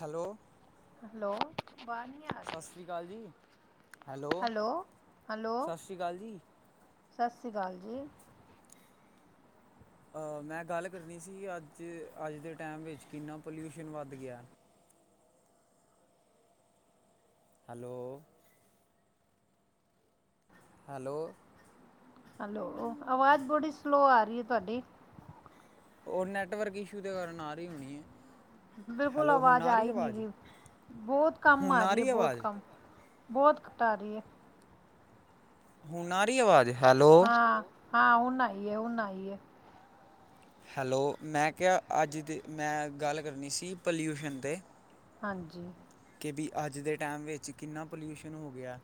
Hello hello [unintelligible] ਆ ਰਹੀ ਸਤਿ ਸ੍ਰੀ ਅਕਾਲ ਜੀ, ਹੈਲੋ, ਹੈਲੋ ਸਤਿ ਸ੍ਰੀ ਅਕਾਲ ਜੀ। ਸਤਿ ਸ਼੍ਰੀ ਅਕਾਲ ਜੀ ਅਹ ਮੈਂ ਗੱਲ ਕਰਨੀ ਸੀ, ਅੱਜ ਅੱਜ ਦੇ ਟਾਈਮ ਵਿੱਚ ਕਿੰਨਾ ਪੋਲਿਊਸ਼ਨ ਵੱਧ ਗਿਆ ਹੈਲੋ ਹੈਲੋ- ਹੈਲੋ ਆਵਾਜ਼ ਬੜੀ ਸਲੋਅ ਆ ਰਹੀ ਹੈ। ਤੁਹਾਡੀ ਉਹ ਨੈਟਵਰਕ ਇਸ਼ੂ ਦੇ ਕਾਰਨ ਆ ਰਹੀ ਹੋਣੀ ਹੈ। ਬਿਲਕੁਲ ਹੈਲੋ ਹੁਣ ਆਵਾਜ਼ ਆ ਈ ਨਹੀ ਆਵਾਜ਼ ਰਹੀ, ਬਹੁਤ ਕਮ ਆ ਰਹੀ ਹੈ, ਬਹੁਤ ਕੰਮ ਬਹੁਤ ਘੱਟ ਆ ਰਹੀ ਹੈ। ਹੁਣ ਆ ਰਹੀ ਹੈ, ਆਵਾਜ਼ ਹੈਲੋ ਹਾਂ- ਹਾਂ ਹੁਣ ਆਈ ਏ, ਹੁਣ ਆਈ ਹੈਲੋ ਮੈਂ ਕਿਹਾ, ਅੱਜ ਦੀ ਮੈਂ ਗੱਲ ਕਰਨੀ ਸੀ ਪੋਲਿਊਸ਼ਨ ਤੇ ' ਹਾਂਜੀ- ਬਈ ਅੱਜ ਦੇ ਟਾਈਮ ਵਿੱਚ ਕਿੰਨਾ ਪੋਲਿਊਸ਼ਨ ਹੋ ਗਿਆ।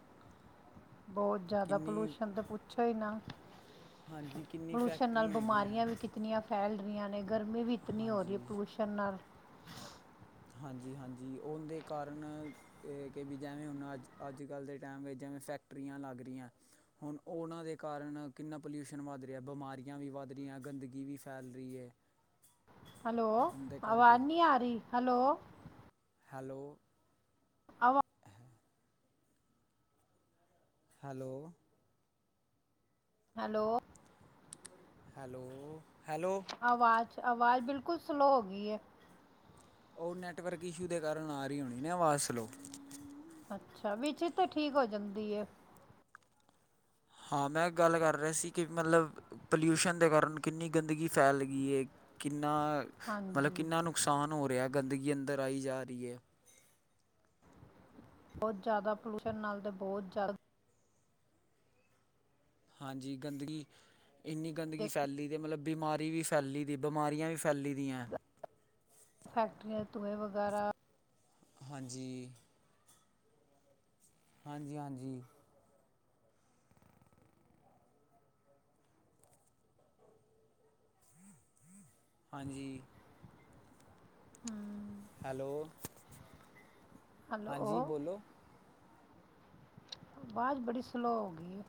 ਬਹੁਤ ਜ਼ਿਆਦਾ ਕਿੰਨੀ ਪੋਲੂਊਸ਼ਨ ਤੇ ਪੁ ਪੁੱਛੋ ਈ ਨਾ ਹਾਂਜੀ ਕਿੰਨੀ ਪਲੂਸ਼ਣ ਨਾਲ ਫੈਕਟਰੀਆਂ ਹੈਗੀਆਂ ਬਿਮਾਰੀਆਂ ਵੀ ਕਿਤਨੀਆਂ ਫੈਲ ਹਰੀਆਂ ਨੇ - ਗਰਮੀ ਵੀ ਇਤਨੀ ਹੋ ਰਹੀ ਹੈ, ਹਾਂਜੀ ਪੋਲੂਸ਼ਣ ਨਾਲ ਹ [inaudible] ਹਾਂਜੀ ਹਾਂਜੀ ਉਹ ਦੇ ਕਾਰਨ ਕਿ ਵੀ ਜਿਵੇਂ ਹੁਣ ਅੱਜ ਅੱਜ ਕੱਲ੍ਹ ਦੇ ਟਾਈਮ ਵਿੱਚ ਜਿਵੇਂ ਫੈਕਟਰੀਆਂ ਲੱਗ ਰਹੀਆਂ ਹੁਣ ਉਹਨਾਂ ਦੇ ਕਾਰਨ ਕਿੰਨਾ ਪੋਲਿਊਸ਼ਨ ਵੱਧ ਰਿਹਾ ਬਿਮਾਰੀਆਂ ਵੀ ਵੱਧ ਰਹੀਆਂ ਗੰਦਗੀ ਵੀ ਫੈਲ ਰਹੀ ਹੈ ਹੈਲੋ ਉਹਦੇ ਕਰਕੇ ਆਵਾਜ਼ ਨਹੀ ਆ ਰਹੀ ਹੈਲੋ ਹੈਲੋ- ਆਵਾ ਹੈਲੋ- ਹੈਲੋ- ਹੈਲੋ ਹੈਲੋ ਆਵਾਜ਼ ਆਵਾਜ਼ ਬਿਲਕੁਲ ਸਲੋਅ ਹੋ ਗਈ ਹੈ। ਉਹ ਨੈੱਟਵਰਕ ਇਸ਼ੂ ਦੇ ਕਾਰਨ ਆ ਰਹੀ ਹੋਣੀ ਨਾ ਆਵਾਜ਼ ਸਲੋ। ਅੱਛਾ ਵਿਚ ਠੀਕ ਹੋ ਜਾਂਦੀ ਹੇ। ਹਾਂ ਮੈਂ ਗੱਲ ਕਰ ਰਿਹਾ ਸੀ ਕਿ ਮਤਲਬ ਪੋਲਿਊਸ਼ਨ ਦੇ ਕਾਰਨ ਕਿੰਨੀ ਗੰਦਗੀ ਫੈਲ ਗਈ ਹੈ। ਕਿੰਨ ਕਿੰਨਾ ਮਤਲਬ ਹਾਂਜੀ ਕਿੰਨਾ ਨੁਕਸਾਨ ਹੋ ਰਿਹਾਹੇ। - ਗੰਦਗੀ ਅੰਦਰ ਆਈ ਜਾ ਰਹੀ ਹੈ ਬਹੁਤ ਜ਼ਿਆਦਾ ਪੋਲਿਊਸ਼ਨ ਨਾਲ ਤੇ ਬਹੁਤ ਜ਼ਿਆਦਾ ਹਾਂਜੀ ਗੰਦਗੀ ਇੰਨੀ ਗੰਦਗੀ ਦੇਖੋ ਫੈਲੀ ਤੇ ਮਤਲਬ ਬਿਮਾਰੀ ਵੀ ਫੈਲੀ ਦੀ ਬਿਮਾਰੀਆਂ ਵੀ ਫੈਲੀ ਦੀਆਂ ਫੈਕਟਰੀਆਂ ਧੂੰਏ ਵਗੈਰਾ ਹਾਂਜੀ ਹਾਂਜੀ-ਹਾਂਜੀ ਹਾਂਜੀ ਹਮ ਹੈਲੋ ਹੈਲੋ ਹਾਂਜੀ ਬੋਲੋ ਆਵਾਜ਼ ਬੜੀ ਸਲੋਅ ਹੋ ਗਈ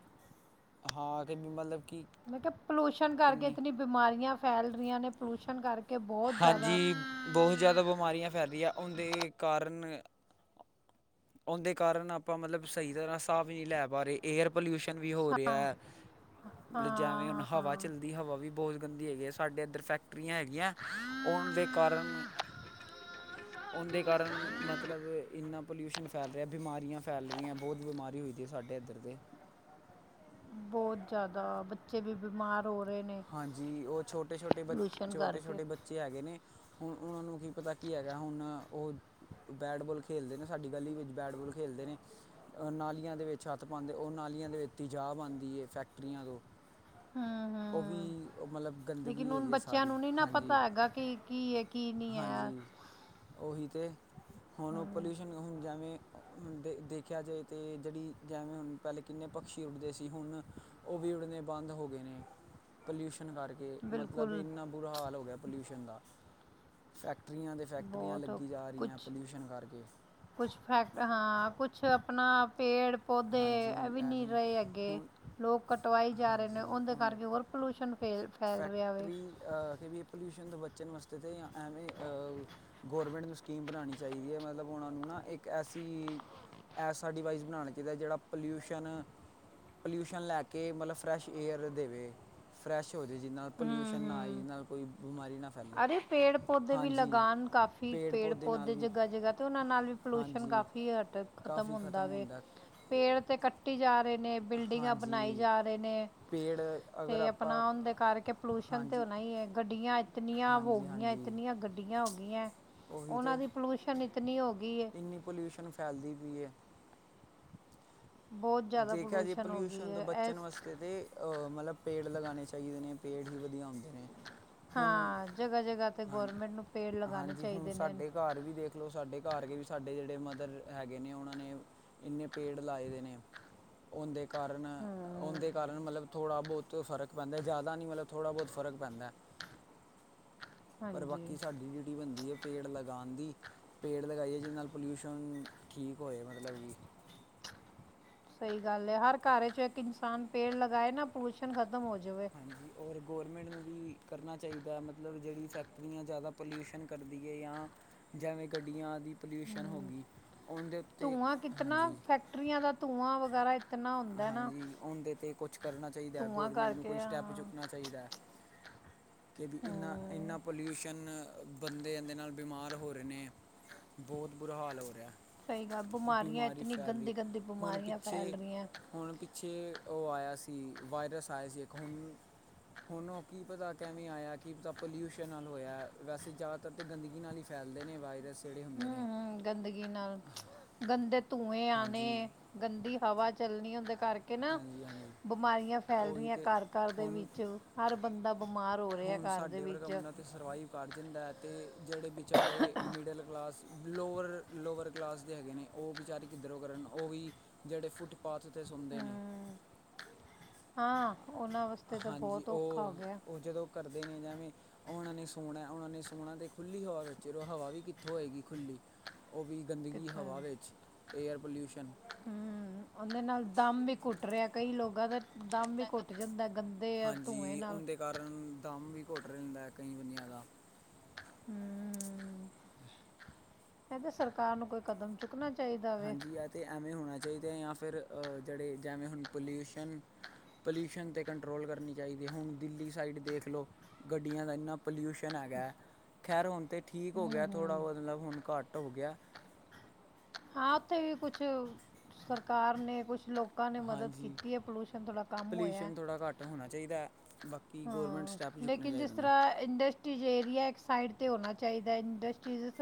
ਹਾਂ ਕਿ ਵੀ ਮਤਲਬ ਕਿ ਮੈਂ ਕਿਹਾ ਪੋਲੂਸ਼ਨ ਕਰਕੇ ਕਿੰਨੀ ਇਤਨੀ ਬਿਮਾਰੀਆਂ ਫੈਲ ਰਹੀਆਂ ਨੇ ਪੋਲੂਸ਼ਨ ਕਰਕੇ ਬਹੁਤ ਜ਼ਿਆਦਾ ਹਾਂਜੀ ਬਹੁਤ ਜ਼ਿਆਦਾ ਬਿਮਾਰੀਆਂ ਫੈਲਦੀਆਂ ਉਹਦੇ ਕਾਰਨ ਉਹਦੇ ਕਾਰਨ ਆਪਾਂ ਮਤਲਬ ਸਹੀ ਤਰ੍ਹਾਂ ਸਾਹ ਵੀ ਨਹੀਂ ਲੈ ਪਾ ਰਹੇ ਏਅਰ ਪੋਲਿਊਸ਼ਨ ਵੀ ਹੋ ਰਿਹਾ ਹਾਂ ਹੈ ਜਿਵੇਂ ਹੁਣ ਹਾਂ ਹਵਾ ਹਾਂ, ਚੱਲਦੀ ਹਵਾ ਵੀ ਬਹੁਤ ਗੰਦੀ ਹੈਗੀ ਆ ਸਾਡੇ ਇੱਧਰ ਫੈਕ ਟੈਕਟਰੀਆਂ ਹੈਗੀਆਂ ਔਣ ਦੇ ਕਾਰਨ ਉਹਦੇ ਕਾਰਨ ਮਤਲਬ ਇੰਨਾ ਪੋਲਊਸ਼ਨ ਫੈਲ ਰਿਹਾ ਬਿਮਾਰੀਆਂ ਫੈਲ ਰਹੀਆਂ ਬਹੁਤ ਬਿਮਾਰੀ ਹੋ ਦੀ ਸਾਡੇ ਇੱਧਰ ਤੇ ਬਹੁਤ ਜਿਆਦਾ ਬੱਚੇ ਵੀ ਬਿਮਾਰ ਹੋ ਰਹੇ ਨੇ ਹਾਂਜੀ ਉਹ ਛੋਟੇ-ਛੋਟੇ ਬ ਪੋਲੂਸ਼ਨ ਕਰਕੇ ਛੋਟੇ-ਛੋਟੇ ਬੱਚੇ ਹੈਗੇ ਨੇ ਹੁਣ ਉਹਨਾਂ ਨੂੰ ਕੀ ਪਤਾ ਕੀ ਹੈਗਾ ਹੁਣ ਉਹ ਬੈਟਬੋਲ ਖੇਲਦੇ ਨੇ ਸਾਡੀ ਗਲੀ ਵਿੱਚ ਬੈਟਬਲ ਖੇਲਦੇ ਨੇ ਨਾਲੀਆਂ ਦੇ ਵਿੱਚ ਹੱਥ ਪਾਉਂਦੇ ਉਹ ਨਾਲੀਆਂ ਦੇ ਵਿੱਚ ਤੇਜਾਾਹ ਆਂਦੀ ਹੈ ਫੈਕਟਰੀਆਂ ਤੋਂ ਹ-ਹ ਉਹ ਵੀ ਉਹ ਮਤਲਬ ਗੰਦਗੀ ਹੈਗੀ ਹੈ। ਬੱਚਿਆਂ ਸਾਰੀ ਨੂੰ ਨਹੀਂ ਨਾ ਪਤਾ ਹੈਗਾ ਕਿ ਕੀ ਹੈ ਕੀ ਨਹੀਂ ਹੈ ਹਾਂਜੀ-ਹਾਂਜੀ ਉਹੀ ਤੇ ਹੁਣ ਉਹ ਪੋਲਿਊਸ਼ਨ ਹੁਣ ਜੇਵੇਂ ਦੇ ਦੇਖਿਆ ਜਾਏ ਤੇ ਜਿਹੜੀ ਜਿਵੇਂ ਹੁਣ ਪਹਿਲੇ ਕਿੰਨੇ ਪਕਸ਼ੀ ਉੱਡਦੇ ਸੀ, ਹੁਣ ਉਹ ਵੀ ਉੱਡਣੇੇ ਬੰਦ ਹੋ ਗਏ ਨੇ ਪੋਲਿਊਸ਼ਨ ਕਰਕੇ ਮਤਲਬ ਬਿਲਕੁਲ ਇੰਨਾ ਬੁਰਾ ਹਾਲ ਹੋ ਗਿਆ। ਪੋਲਿਊਸ਼ਨ ਦਾ ਫੇਕਟ ਫੈਕਟਰੀਆਂ ਦੇ ਫੈਕਟਰੀਆਂ ਬਹੁਤ ਲੱਗੀ ਜਾ ਰਹੀਆਂ ਕੁਛ ਪੋਲਿਊਸ਼ਨ ਕਰਕੇ ਛ ਆਪਣਾ ਪੇੜ ਪੌਦੇ ਇਹ ਹਾਂਜੀ ਵੀ ਨਹੀਂ ਐਵੇਂ ਰਹੇ ਅੱਗੇ ਹੁਣ ਲੋਕ ਕਟਵਾਈ ਜਾ ਰਹੇ ਨੇ ਹਾਂਜੀ ਉਹਦੇ ਉਹਨੇ ਕਰਕੇ ਹੋਰ ਪੋਲਿਊਸ਼ਨ ਫੇਲ ਫੈਲ ਰਿਹਾ ਵੇ ਬੱਚੇ ਨਮਸਤੇ ਤੇ ਜਾਂ ਐਵੇਂ ਗੌਰਮੈਂਟ ਨੂੰ ਸਕੀਮ ਬਣਾਉਣੀ ਚਾਹੀਦੀ ਹੈ, ਮਤਲਬ ਉਹਨਾਂ ਨੂੰ ਨਾ ਇੱਕ ਐਸੀ ਐਸਾ ਡਿਵਾਈਸ ਬਣਾਉਣਾ ਚਾਹੀ ਜਿਹਦਾ-ਜਿਹੜਾ ਪੋਲਿਊਸ਼ਨ, ਪੋਲਿਊਸ਼ਨ ਲੈ ਕੇ ਮਤਲਬ ਫਰੈਸ਼ ਏਅਰ ਦੇਵੇ ਫਰੈਸ਼ ਹੋ ਜਾਵੇ। ਜਿਹਦੇ ਨਾਲ ਹੂੰ ਪੋਲਿਊਸ਼ਨ ਨਾ ਆਏ ਹੂੰ ਜਿਹਦੇ ਨਾਲ ਕੋਈ ਬਿਮਾਰੀ ਨਾ ਫੈਲੇ ਅਰੇ ਪੇੜ ਪੌਦੇ ਵੀ ਹਾਂਜੀ ਲਗਾਉਣ ਕਾਫੀ ਪੇੜ ਪੌਦੇ ਜਗਾ ਜਗਾ ਤੇ ਉਹਨਾਂ ਨਾਲ ਵੀ ਪੋਲੂਸ਼ਨ ਹਾਂਜੀ ਕਾਫੀ ਹਟ ਖਤਮ ਹੁੰਦਾ ਵੇ ਪੇੜ ਤੇ ਕੱਟੀ ਜਾ ਰਹੇ ਨੇ ਬਿਲਡਿੰਗਾਂ ਬਣਾਈ ਹਾਂਜੀ ਜਾ ਰਹੇ ਨੇ ਪੇੜ ਅਗਰ ਤੇ ਆਪਾਂ ਆਪਣਾ ਉਨ ਦੇ ਕਰਕੇ ਪੋਲਊਸ਼ਨ ਤੇ ਹਾਂਜੀ ਹੋਣਾ ਹੀ ਹੈ। ਗੱਡੀਆਂ ਇੰਨੀਆਂ ਹੋ ਹਾਂਜੀ ਗਈਆਂ ਹਾਂਜੀ ਇਤਨੀਆਂ ਗੱਡੀਆਂ ਆਂ ਹੋਗੀਆਂ ਉਹੀ ਤੇ ਉਹਨਾਂ ਦੀ ਪੋਲਿਊਸ਼ਨ ਇੱਕ ਨਹੀਂ ਹੋਗ ਇੰਨੀ ਪੋਲਿਊਸ਼ਨ ਫੈਲਦੀ ਪਈ ਏ। ਬਹੁਤ ਜ਼ਿਆਦਾ ਦੇਖਿਆ ਜੇ ਪੋਲੂਸ਼ਨ ਹੋ ਗਈ ਪੋਲਿਊਸ਼ਨ ਤੋਂ ਹੈ ਬਚਣ ਇਸ ਵਾਸਤੇ ਤੇ ਅਹ ਮਤਲਬ ਪੇੜ ਲਗਾਣੇ ਚਾਹੀਦੇ ਨੇ। ਪੇੜ ਹੀ ਵਧੀਆ ਹੁੰਦੇ ਨੇ। ਹੁਣ ਹਾਂ ਜਗ੍ਹਾ ਜਗ੍ਹਾ ਤੇ ਹਾਂ ਗਰਮੈਂਟ ਨੂੰ ਪੇੜ ਲਗਾਣੇ ਹਾਂਜੀ ਹੁਣ ਚਾਹੀਦੇ ਨੇ। ਸਾਡੇ ਘਰ ਵੀ ਦੇਖ ਲਓ ਸਾਡੇ ਘਰ ਗ ਵੀ ਸਾਡੇ ਜਿਹੜੇ ਮਦਰ ਹੈਗੇ ਨੇ ਉਹਨਾਂ ਨੇ ਇੰਨੇ ਪੇੜ ਲਾਏ ਦੇ ਨੇ। ਉਨ ਦੇ ਕਾਰਨ ਹੂੰ ਉਹਦੇ ਕਾਰਨ ਮਤਲਬ ਥੋੜ੍ਹਾ ਬਹੁਤ ਫਰਕ ਪੈਂਦਾ, ਜਾਦਾ ਨਹੀਂ ਮਤਲਬ ਥੋੜ੍ਹਾ ਬਹੁਤ ਫਰਕ ਪੈਂਦਾ। ਪਰ ਹਾਂਜੀ ਬਾਕੀ ਸਾਡੀ ਡਿਊਟੀ ਬਣਦੀ ਏ। ਪੇੜ ਲਗਾਉਣ ਦੀ ਪੇੜ ਲਗਾਈਏ ਜਿਹਦੇ ਨਾਲ ਪੋਲਿਊਸ਼ਨ ਠੀਕ ਹੋਏ ਮਤਲਬ ਕਿ ਸਹੀ ਗੱਲ ਹੈ। ਹਰ ਘਰ ਚ ਇੱਕ-ਇੱਕ ਇਨਸਾਨ ਪੇੜ ਲਗਾਏ ਨਾ ਪੂਸ਼ਣ ਹਾਂਜੀ। ਔਰ ਗੌਰਮੈਂਟ ਨੂੰ ਵੀ ਕਰਨਾ ਚਾਹੀਦਾ ਮਤਲਬ ਜਿਹੜੀ ਫੈਕਟਰੀਆਂ ਜਿਆਦਾ ਪੋਲਿਊਸ਼ਨ ਕਰਦੀ ਏ ਯਾਂ ਐਵੇਂ ਗੱਡੀਆਂ ਦੀ ਪੋਲਿਊਸ਼ਨ ਹੋ ਗਈ ਉਨ ਦੇ ਉੱਤੇ ਧੂੰਆਂ ਕਿਤਨਾ ਹਾਂਜੀ। ਫੈਕਟਰੀਆਂ ਦਾ ਧੂੰਆਂ ਵਗੈਰਾ ਇਤਨਾ ਹੁੰਦਾ ਨਾ ਹਾਂਜੀ ਉਹਦੇ ਤੇ ਕੁਛ ਕਰਨਾ ਚਾਹੀਦਾ ਧੂੰਆਂ ਗੌਰਮੈਂਟ ਨੂੰ ਕਰਕੇ ਕੋਈ ਸਟੈਪ ਹਾਂ ਚੁੱਕਣਾ ਚਾਹੀਦਾ ਕਿ ਵੀ ਇੰਨਾ ਇੰਨਾ ਹੂੰ ਪੋਲਿਊਸ਼ਨ ਬੰਦੇ ਇਹਦੇ ਨਾਲ ਬਿਮਾਰ ਹੋ ਰਹੇ ਨੇ ਬਹੁਤ ਬੁਰਾ ਹਾਲ ਹੋ ਰਿਹਾ ਸਹੀ ਗੱਲ ਬਿਮਾਰੀਆਂ ਬਿਮਾਰੀ ਇਤਨੀ ਫੈਲਦੀ ਗੰਦੀ ਗੰਦੀ ਹੁਣ ਬਿਮਾਰੀਆਂ ਫੈਲ ਪਿੱਛੇ ਰਹੀਆਂ ਹੁਣ ਛੇ ਉਹ ਆਇਆ ਸੀ ਵਾਇਰਸ ਆਇਆ ਸੀ ਇੱਕ ਹੁਣ ਹੁਣ ਉਹ ਕੀ ਪਤਾ ਕਿਵੇਂ ਆਇਆ ਕੀ ਪਤਾ ਪੋਲਿਊਸ਼ਨ ਨਾਲ ਹੋਇਆ ਵੈਸੇ ਜ਼ਿਆਦਾਤਰ ਤਾਂ ਗੰਦਗੀ ਨਾਲ ਹੀ ਫੈਲਦੇ ਨੇ ਵਾਇਰਸ ਜਿਹੜੇ ਹੁੰਦੇ ਹਮ ਨੇ ਹਮ ਗੰਦਗੀ ਨਾਲ ਗੰਦੇ ਧੂੰਏ ਹਾਂਜੀ ਆਣੇ ਗੰਦੀ ਹਵਾ ਚੱਲਣੀ ਹੁੰਦੀ ਕਰਕੇ ਨਾ, ਹਾਂਜੀ ਹਾਂਜੀ ਬਿਮਾਰੀਆਂ ਫੈਲ ਉਹੀ ਰਹੀਆਂ ਤੇ ਘਰ ਘਰ ਦੇ ਹੁਣ ਵਿੱਚ, ਹਰ ਬੰਦਾ ਬਿਮਾਰ ਹੋ ਰਿਹਾ ਹੁਣ ਘਰ ਦੇ ਸਾਡੇ ਵਰਗਾ ਵਿੱਚ ਉਹਨਾਂ 'ਤੇ ਸਰਵਾਈਵ ਵੱਧ ਜਾਂਦਾ ਹੈ, ਅਤੇ ਜਿਹੜੇ ਵਿਚਾਰੇ middle class lower lower, class ਦੇ ਹੈਗੇ ਨੇ ਉਹ ਬਚਾਰੇ ਕਿੱਧਰੋਂ ਕਰਨ ਉਹ ਵੀ ਜਿਹੜੇ ਫੁੱਟਪਾਥ 'ਤੇ ਸੌਂਦੇ ਨੇ ਹੂੰ ਹਾਂ। ਉਹਨਾਂ ਵਾਸਤੇ ਤਾਂ ਹਾਂਜੀ ਬਹੁਤ ਔਖਾ ਉਹ, ਹੋ ਗਿਆ ਉਹ ਜਦੋਂ ਕਰਦੇ ਨੇ ਜਵੇਂ ਉਹਨਾਂ ਨੇ ਸੋਣਾ ਉਹਨਾਂ ਨੇ ਸੋਣਾ ਤੇ ਖੁੱਲ੍ਹੀ ਹਵਾ ਵਿੱਚ, ਹਵਾ ਵੀ ਕਿੱਥੋਂ ਹੋਏਗੀ ਖੁੱਲੀ ਉਹ ਵੀ ਗੰਦਗੀ ਕਿੱਥੇ ਹਵਾ ਵਿੱਚ ਏਅਰ ਪੋਲਿਊਸ਼ਨ। ਹੂੰ, ਉਹਦੇ ਨਾਲ ਦਮ ਵੀ ਕੁੱਟ ਰਿਹਾ ਕਈ ਲੋਕਾਂ ਦਾ ਦਮ ਵੀ ਘੁੱਟ ਜਾਂਦਾ ਗੰਦੇ ਆ ਧੂੰਏ ਹਾਂਜੀ ਨਾਲ- ਉਹਦੇ ਕਾਰਨ ਦਮ ਵੀ ਘੁੱਟ ਰਹਿੰਦਾ ਕਈ ਬੰਨੀਆਂ ਦਾ। ਹਮ, ਕਹਿੰਦੇ ਸਰਕਾਰ ਨੂੰ ਕੋਈ ਕਦਮ ਚੁੱਕ, ਹਾਂਜੀ ਆ ਤੇ ਐਵੇਂ ਹੋਣਾ ਚਾਹੀਦਾ ਆ ਫਿਰ ਜਿਹੜੇ ਜਿਵੇਂ ਹੁਣ ਪੋਲਿਊਸ਼ਨ- ਪੋਲਿਊਸ਼ਨ 'ਤੇ ਕੰਟਰੋਲ ਕਰਨੀ ਚਾਹੀਦੀ ਹੁਣ ਦਿੱਲੀ ਸਾਈਡ ਦੇਖ ਲਓ, ਗੱਡੀਆਂ ਦਾ ਇੰਨਾ ਪੋਲਿਊਸ਼ਨ ਹੈਗਾ, ਖੈਰ ਹੋਣ ਤੇ ਠੀਕ ਹੋ ਹੂੰ ਗਿਆ ਥੋੜ੍ਹਾ ਹੂੰ ਮਤਲਬ ਹੁਣ ਘੱਟ ਹੋ ਗਿਆ। ਹਾ ਉੱਥੇ ਵੀ ਕੁਛ ਸਰਕਾਰ ਨੇ ਕੁਛ ਲੋਕ ਲੋਕਾਂ ਨੇ ਮਦਦ ਹਾਂਜੀ ਕੀਤੀ ਹੈ ਪੋਲੂਸ਼ਨ ਥੋੜਾ ਕੰਮ ਹੋਇਆ ਪੋਲਿਊਸ਼ਨ ਥੋੜ੍ਹਾ ਘੱਟ ਹੋਣਾ ਚਾਹੀਦਾ ਹੈ ਬਾਕੀ ਗੌਰਮੈਂਟ ਹਾਂ, ਸਟੈਪ ਚੁੱਕਣੇ ਲੇਕਿਨ ਜਿਸ ਚਾਹੀਦੇ ਨੇ ਤਰ੍ਹਾਂ ਇੰਡਸਟਰੀਜ਼ ਏਰੀਆ ਇੱਕ ਸਾਈਡ 'ਤੇ ਹੋਣਾ ਚਾਹੀਦਾ ਇੰਡਸਟਰੀਜ਼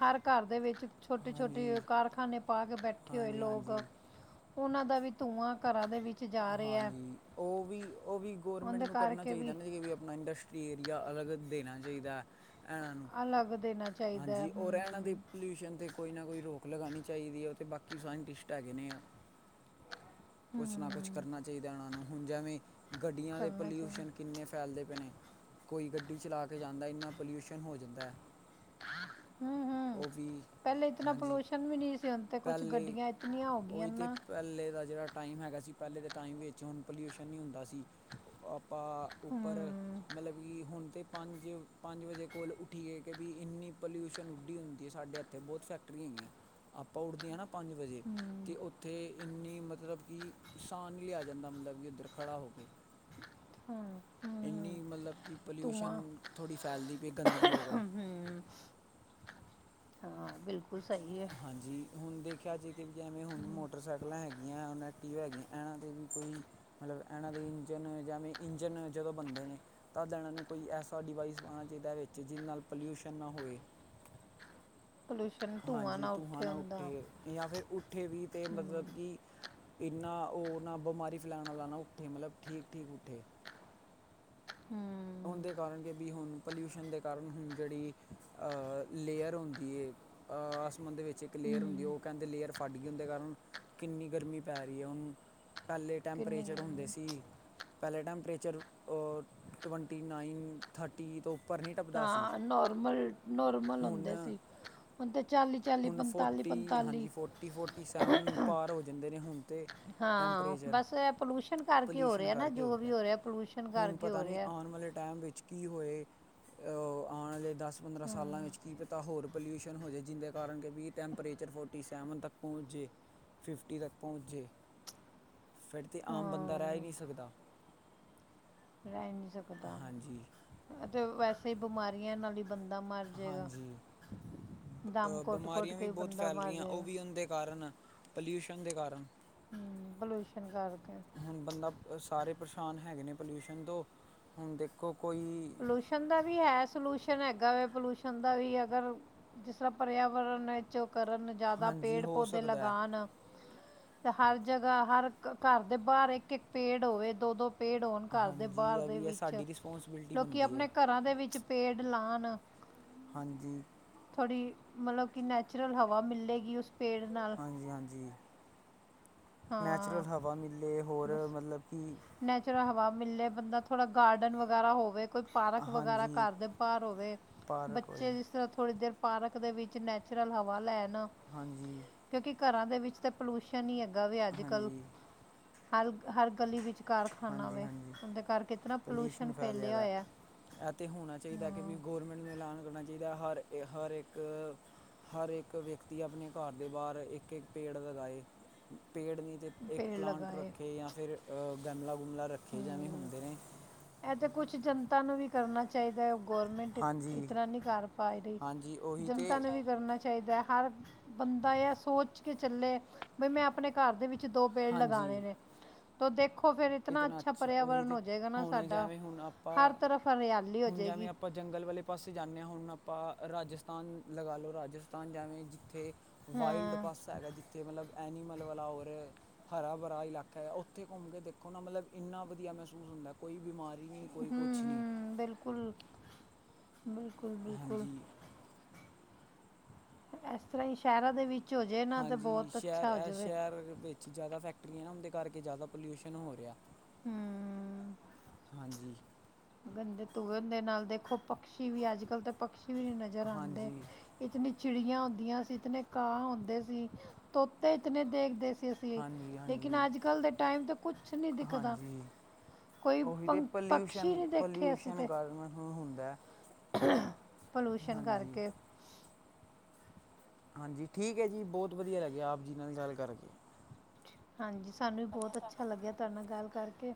ਹਰ ਘਰ ਦੇ ਵਿੱਚ ਛੋਟੇ- ਛੋਟੇ ਹਾਂਜੀ ਕਾਰਖਾਨੇ ਪਾ ਕੇ ਬੈਠੇ ਹੋਏ ਹਾਂਜੀ ਲੋਕ ਹਾਂਜੀ ਉਹਨਾਂ ਦਾ ਵੀ ਧੂੰਆਂ ਘਰਾਂ ਦੇ ਵਿੱਚ ਜਾ ਰਿਹਾ ਹੈ ਹਾਂਜੀ, ਉਹ ਵੀ ਉਹ ਵੀ ਗੋ ਮੈਂਟ ਉਹਦੇ ਨੂੰ ਕਰਨਾ ਕਰਕੇ ਚਾਹੀਦਾ ਨਾ ਜ ਵੀ ਆਪਣਾ ਇੰਡਸਟਰੀ ਏਰੀਆ ਅਲੱਗ ਦੇਣਾ ਚਾਹੀਦਾ ਹੈ। ਐਨਾਂ ਨੂੰ, ਅਲੱਗ ਦੇਣਾ ਚਾਹੀਦਾ ਹੈ ਹਾਂਜੀ ਔਰ ਹੂੰ ਐਨਾਂ ਦੀ ਪੋਲਿਊਸ਼ਨ ' ਕੋਈ ਨਾ ਕੋਈ ਰੋਕ ਲਗਾਣੀ ਚਾਹੀਦੀ ਹ ਤੇ ਬਾਕੀ ਸਾਇੰਟਿਸਟ ਹੈਗੇ ਨੇ ਆ ਕੁਛ ਨਾ ਕੁਛ ਹੂੰ ਚਾਹੀਦਾ ਨਾਂ ਨੂੰ ਹੁਣ ਜਿਵੇਂ ਗੱਡੀਆਂ ਦੇ ਕਰਨਾ ਚਾਹੀਦਾ ਪੋਲਿਊਸ਼ਨ ਕਿੰਨੇ ਫੈਲਦੇ ਪੈਣੇ- ਕੋਈ ਗੱਡੀ ਚਲਾ ਕੇ ਜਾਂਦਾ ਇੰਨਾ ਪੋਲਿਊਸ਼ਨ ਹੋ ਜਾਂਦਾ ਹੈ। ਆਹ [unintelligible] ਹੂੰ ਹੂੰ ਉਹ ਵੀ ਪਹਿਲੇ ਇਤਨਾ ਹਾਂਜੀ ਪੋਲਿਊਸ਼ਨ ਵੀ ਨਹੀਂ ਸੀ ਤੇ ਕੁਛ ਪਹਿਲੇ ਗੱਡੀਆਂ ਇਤਨੀਆਂ ਹੋ ਗਈਆਂ ਉਹੀ ਤੇ ਨਾ। ਪਹਿਲੇ ਦਾ ਜਿਹੜਾ ਟਾਈਮ ਹੈਗਾ ਸੀ ਪਹਿਲੇ ਦੇ ਟਾਈਮ ਵਿੱਚ ਹੁਣ ਪੋਲਿਊਸ਼ਨ ਨਹੀਂ ਹੁੰਦਾ ਸੀ। ਤਾਂ ਉੱਪਰ ਮਤਲਬ ਕਿ ਹੁਣ ਤੇ, ਪੰਜ-ਪੰਜ ਵਜੇ ਕੋਲ ਉੱਠੀ ਐ ਕਿ ਵੀ ਇੰਨੀ ਪਲਿਊਸ਼ਨ ਉੱਡੀ ਹੁੰਦੀ ਐ ਸਾਡੇ ਇੱਥੇ ਬਹੁਤ ਫੈਕਟਰੀ ਹੈਗੀਆਂ ਨੇ, [unintelligible] ਦੀਆਂ ਨਾ, ਪੰਜ ਵਜੇ ਅਤੇ ਉੱਥੇ, ਇੰਨੀ ਮਤਲਬ ਕੀ [unintelligible] ਕਿ ਇੱਧਰ ਖੜਾ ਹੋ ਕੇ, ਇੰਨੀ ਮਤਲਬ, ਕਿ ਪੋਲਿਉਸ਼ਨ ਥੜ੍ਹੀ ਫੈਲਦੀ, ਅਤੇ ਗੰਦਗੀ ਵਗਨ, ਹਾਂਜੀ ਹੁਣ ਦੇਖੋ, ਦੇਖਿਆ ਜਾ ਕਿ ਜਿਵੇਂ ਹੁਣ ਮੋਟਰਸਾਈਕਲਾਂ ਹੈਗੀਆਂ ਹੁਣ ਐਕਟੀਵਾ ਹੈਗੀਆਂ ਇਹਨਾਂ ਦੇ ਵੀ ਕੋਈ ਮਤਲਬ ਇਹਨਾਂ ਦੇ ਇੰਜਨ ਜਿਵੇਂ ਇੰਜਨ ਜਦੋਂ ਬੰਨਦੇ ਨੇ ਤਦ ਇਹਨਾਂ ਨੂੰ ਕੋਈ ਐਸਾ ਡਿਵਾਈਸ ਪਾਉਣਾ ਚਾਹੀਦਾ ਵਿੱਚ ਜਿਹਦੇ ਨਾਲ ਪੋਲਿਊਸ਼ਨ ਨਾ ਹੋਏ। ਹਾਂਜੀ, ਧੂੰਆਂ ਨਾ ਉੱਠੇ ਜਾਂ ਫਿਰ ਉੱਠੇ ਵੀ ਤੇ ਹੂੰ ਮਤਲਬ ਕਿ ਇੰਨਾ ਉਹ ਨਾ ਬਮਾਰੀ ਫੈਲਾਣ ਵਾਲਾ ਨਾ ਉੱਠੇ ਮਤਲਬ ਠੀਕ-ਠੀਕ ਉੱਠੇ, ਹੂੰ, ਉਹਦੇ ਕਾਰਨ ਕਿ ਵੀ ਹੁਣ ਪੋਲਿਊਸ਼ਨ ਦੇ ਕਾਰਨ ਹੁਣ ਜਿਹੜੀ ਅਹ ਲੇਅਰ ਹੁੰਦੀ ਹੈ, ਅਹ ਆਸਮਾਨ ਦੇ ਵਿੱਚ ਇੱਕ ਲੇਅਰ ਹੁੰਦੀ ਹੂੰ ਉਹ ਕਹਿੰਦੇ ਲੇਅਰ ਫਟ ਗਈ ਹੁੰਦੇ ਕਾਰਨ ਕਿੰਨੀ ਗਰਮੀ ਪੈ ਰਹੀ ਹੈ, ਹੁਣ ਪਹਿਲੇ ਕਿੰਨੀ ਟੈਂਪਰੇਚਰ ਹੁੰਦੇ ਗਰਮੀ ਸੀ ਪਹਿਲੇ ਟੈਂਪਰੇਚਰ ਆ। ਟਵੰਟੀ ਨਾਈਨ ਥਰਟੀ ਤੋਂ ਉੱਪਰ ਨਹੀਂ ਟੱਪਦਾ ਸੀ। ਨੋਰਮਲ, ਨੋਰਮਲ ਹੁਣ ਹੁੰਦੇ ਸੀ, ਹੁਣ ਤੇ ਚਾਲੀ ਹੁਣ ਫੋਟੀ ਹਾਂਜੀ, ਫੋਟੀ ਫੋਟੀ ਸਵੇ ਹੁਣ ਭਾਰ ਹੋ ਜਾਂਦੇ ਨੇ ਹੁਣ, ਤਾਂ ਹਾਂ ਟੈਂਪਰੇਚਰ ਬਸ ਪੋਲੂਸ਼ਨ ਕਰਕੇ ਹੋ ਰਿਹਾ ਨਾ ਜੋ ਵੀ ਹੋ ਰਿਹਾ ਪੋਲੂਸ਼ਨ ਹੁਣ ਕਰਕੇ ਪਤਾ ਹੋ ਨਹੀਂ ਰਿਹਾ। ਆਉਣ ਵਾਲੇ ਟਾਈਮ ਵਿੱਚ ਕੀ ਹੋਏ, ਆਣ ਆਲੇ ਦਸ ਪੰਦਰਾਂ ਸਾਲਾਂ ਵਿੱਚ ਕੀ ਪਤਾ ਹੋਰ ਪੋਲਿਊਸ਼ਨ ਹੋ ਜਾਵੇ ਜਿਹਦੇ ਕਾਰਨ ਕਿ ਵੀ ਟੈਂਪਰੇਚਰ ਫੋਰਟੀ ਸੈਵਨ ਤੱਕ ਪਹੁੰਚੇ ਫਿਫਟੀ ਤੱਕ ਪਹੁੰਚੇ ਫਿਰ ਤਾਂ ਆਮ ਬੰਦਾ ਰਹਿ ਹੀ ਹਾਂ ਨਹੀਂ ਸਕਦਾ। ਰਹਿ ਸਕਦਾ ਹਾਂਜੀ ਅਤੇ ਬਸ ਕਈ ਬਿਮਾਰੀਆਂ ਨਾਲ ਹੀ, ਬੰਦਾ ਮਰ ਜਾਏਗਾ ਹਾਂਜੀ ਦਮ ਘੁੱਟ-ਘੁੱਟ ਕੇ ਬਿਮਾਰੀਆਂ ਹੀ ਬਹੁਤ ਬੰਦਾ ਫੈਲ ਮਰ ਰਹੀਆਂ ਉਹ ਜਾਏਗਾ ਵੀ ਉਹਦੇ ਕਾਰਨ ਪੋਲਿਊਸ਼ਨ ਦੇ ਕਾਰਨ, ਹਮ ਪੋਲੂਸ਼ਨ ਕਰਕੇ ਹੁਣ ਬੰਦਾ ਸਾਰੇ ਪ ਨੁਕਸ਼ਾਨ ਹੈਗੇ ਨੇ ਪੋਲਿਊਸ਼ਨ ਤੋਂ ਹੁਣ ਦੇਖੋ। ਕੋਈ ਪੋਲੂਸ਼ਨ ਦਾ ਵੀ ਹੈ ਸੋਲਿਊ ਸਨ ਹੈਗਾ ਵੇ ਪੋਲਿਊਸਨ ਦਾ ਵੀ ਅਗਰ ਜਿਸ ਤਰ੍ਹਾਂ ਪਰਿਆ ਵਰਨ ਵਿੱਚ ਕਰਨ ਜ਼ਿਆਦਾ ਹਾਂਜੀ ਪੇੜ ਹੋ ਪੌਦੇੇ ਸਕਦਾ ਹੈ ਲਗਾਣ, ਤੇ ਹਰ ਜਗ੍ਹਾ ਹਰ ਘਰ ਦੇ ਬਾਹਰ ਇੱਕ ਇੱਕ ਪੇੜ ਹੋਵੇ ਦੋ ਦੋ, ਪੇੜ ਹੋਣ ਘਰ ਦੇ ਹਾਂਜੀ ਬਾਹਰ ਇਹ ਦੇ ਵੀ ਹੈ ਵਿੱਚ, ਸਾਡੀ ਰਿਸਪੌਂਸਿਬਿਲਟੀ ਲੋਕੀ ਬਣਦੀ ਹੈ ਆਪਣੇ ਘਰਾਂ ਦੇ ਵੀ ਵਿੱਚ ਪੇੜ ਲਾਣ ਹਾਂਜੀ ਥੋੜ੍ਹੀ ਮਤਲਬ ਕਿ ਨੈਚੁਰਲ ਹਵਾ ਮਿਲੇਗੀ ਉਸ ਪੇੜ ਨਾਲ ਹਾਂਜੀ ਹਾਂਜੀ ਹਾਂ ਨੈਚੁਰਲ ਹਵਾ ਮਿਲੇ ਹੋਰ ਬਸ ਮਤਲਬ ਕਿ ਨੈਚੁਰਲ ਹਵਾ ਮਿਲੇ ਬੰਦਾ ਥੋੜਾ ਗਾਰਡਨ ਵਗੈਰਾ ਹੋਵੇ ਕੋਈ ਪਾਰਕ ਵਗੈਰਾ ਹਾਂਜੀ ਘਰ ਦੇ ਬਾਹਰ ਹੋਵੇ ਪਾਰਕ ਹੋਏ ਬੱਚੇ ਜਿਸ ਤਰ੍ਹਾਂ ਥੋੜੀ ਦੇਰ ਪਾਰਕ ਦੇ ਵਿੱਚ ਨੈਚੁਰਲ ਹਵਾ ਲੈਣ ਹਾਂਜੀ ਕਿਉਂਕਿ ਘਰਾਂ ਦੇ ਵਿੱਚ ਤਾਂ ਪੋਲੂਊਸ਼ਨ ਹੀ ਹੈਗੇ ਦਾ ਵੀ ਅੱਜ ਕੱਲ੍ਹ ਹਾਂਜੀ ਹਰ ਹਰ ਗਲੀ ਵਿੱਚ ਕਾਰਖਾਨਾ ਹਾਂਜੀ ਵੇ ਹਾਂਜੀ ਉਹਦੇ ਕਰਕੇ ਇਤਨਾ ਪੋਲੂਸ਼ਨ ਪਲਿਊਸ਼ਨ ਫੈਲਿਆ ਦਾ ਹੋਇਆ ਇਹ ਤਾਂ ਹੋਣਾ ਚਾਹੀਦਾ ਕਿ ਵੀ ਹੂੰ ਗੌਰਮੈਂਟ ਨੂੰ ਐਲਾਨ ਕਰਨਾ ਚਾਹੀਦਾ ਹਰ ਹਰ ਇੱਕ ਹਰ ਇੱਕ ਵਿਅਕਤੀ ਆਪਣੇ ਘਰ ਦੇ ਬਾਹਰ ਇੱਕ ਇੱਕ ਪੇੜ ਲਗਾਏ ਪੇੜ ਨਹੀਂ ਤਾਂ ਇੱਕ ਪੇੜ ਪਲਾਂਟ ਲਗਾਏ ਰੱਖੇ ਜਾਂ ਫਿਰ ਤੁਹਾਨੂੰ ਲੱਗ ਗਮਲਾ ਰੱਖੇ ਜਾਂਵੇ ਹੂੰ ਹੁੰਦੇ ਨੇ ਇਹ ਤੇ ਕੁਝ ਜਨਤਾ ਨੂੰ ਵੀ ਕਰਨਾ ਚਾਹੀਦਾ ਹੈ ਗੌਰਮੈਂਟ ਇਸ ਹਾਂਜੀ ਤਰ੍ਹਾਂ ਨਹੀਂ ਕਰ ਪਾ ਰਹੀ ਹਾਂਜੀ ਉਹੀ ਜਨਤਾ ਨੂੰ ਤਾਂ ਵੀ ਕਰਨਾ ਚਾਹੀਦਾ ਹਰ ਬੰਦਾ ਇਹ ਸੋਚ ਕੇ ਚੱਲੇ ਬਈ ਮੈਂ ਆਪਣੇ ਘਰ ਦੇ ਵਿੱਚ ਵਿੱਚ ਦੋ ਪੇੜ ਲਗਾਉਣੇ ਹਾਂਜੀ ਨੇ ਤੋ ਦੇਖੋ ਫਿਰ ਇਤਨਾ ਅੱਛਾ ਉਹੀ ਪਰਿਆਵਰਨ ਤੇ ਹੋ ਜਾਏਗਾ ਨਾ ਹੁਣ ਸਾਡਾ ਜਿਵੇਂ ਹੁਣ ਆਪਾਂ ਹਰ ਤਰਫ ਹਰਿਆਲੀ ਹੋ ਹੁਣ ਜਿਵੇਂ ਜਾਏਗੀ ਆਪਾਂ ਜੰਗਲ ਵਾਲੇ ਪਾਸੇ ਜਾਂਦੇ ਹਾਂ ਹੁਣਾਂ ਆਪਾਂ ਰਾਜਸਥਾਨ ਲਗਾ ਲਓ ਰਾਜਸਥਾਨ ਜਾਵੇਂ ਜਿੱਥੇ ਵਾਈਲਡ ਹਾਂ ਪਾਸਾ ਹੈਗਾ ਜਿੱਥੇ ਮਤਲਬ ਐਨੀਮਲ ਵਾਲਾ ਹੋਰ ਹਰਾ ਭਰਾ ਇਲਾਕਾ ਹੈ ਉੱਥੇ ਘੁੰਮ ਕੇ ਦੇ ਦੇਖੋ ਨਾ ਮਤਲਬ ਇੰਨਾ ਵਧੀਆ ਮਹਿਸੂਸ ਹੁੰਦਾ ਕੋਈ ਬਿਮਾਰ ਹਮ-ਹਮ ਬਿਲਕੁਲ। ਬਿਲਕੁਲ-ਬਿਲਕੁਲ ਹਾਂਜੀ ਇਸ ਤਰ੍ਹਾਂ ਹੀ ਸ਼ਹਿਰਾਂ ਦੇ ਵਿੱ ਹੋ ਜੇ ਨਾ ਤੇ ਹਾਂਜੀ ਬਹੁਤ ਸ਼ਹਿਰ ਅੱਛਾ ਹੋ ਇਹ ਜਾਵੇ। ਸ਼ਹਿਰ ਵਿੱਚ ਜ਼ਿਆਦਾ ਫੈਕਟਰੀਆਂ ਨਾ ਉਹਦੇ ਕਰਕੇ ਜ਼ਿਆਦਾ ਪੋਲਿਊਸ਼ਨ ਹੋ ਰਿਹਾ। ਹਮ ਹਾਂਜੀ ਗੰਦੇ ਤੂਏ ਹੁੰਦੇ ਨਾਲ ਦੇਖੋ ਪਕਸ਼ੀ ਵੀ ਅੱਜ ਕੱਲ ਤੇ ਪਕਸ਼ ਵੀ ਨਹੀਂ ਨਜ਼ਰ ਆਂਦੇ, ਹਾਂਜੀ ਇਤਨੀ ਚਿੜੀਆਂ ਹੁੰਦੀਆਂ ਸੀ, ਇਤਨੇ ਕਾਹ ਹੁੰਦੇ ਸੀ, ਤੋਤੇ ਇਤਨੇ ਦੇਖ ਦੇਖਦੇ ਸੀ ਹਾਂਜੀ ਲੇਕਿਨ ਹਾਂਜੀ ਅੱਜ ਕਲ ਦੇ ਟਾਈਮ ਤੇ ਕੁਛ ਨੀ ਦਿਖਦਾ। ਹਾਂਜੀ ਕੋਈ ਉਹੀ ਤੇ ਪੰਕ ਪਕਸ਼ੀ ਪੋਲਿਊਸ਼ਨ ਨਹੀਂ ਦੇ ਪੋਲਿਊਸ਼ਨ ਕਾਰਨ ਹੁੰ ਹੁੰਦਾ। [inaudible] ਪੋਲਿੂਸ਼ਨ ਹਾਂਜੀ ਕਰਕੇ। ਹਾਂਜੀ ਠੀਕ ਹੈ ਜੀ, ਬਹੁਤ ਵਧੀਆ ਲੱਗਿਆ ਆਪ ਜੀ ਨਾਲ ਗੱਲ ਕਰਕੇ। ਹਾਂਜੀ। ਸਾਨੂੰ ਵੀ ਬਹੁਤ ਅੱਛਾ ਲੱਗਿਆ ਤੁਹਾਡੇ ਨਾਲ ਗੱਲ ਕਰਕੇ।